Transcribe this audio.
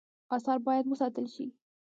آثار باید وساتل شي